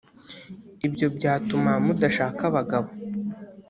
ibyo byatuma mudashaka abagabo